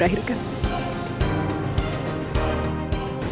wah masih saja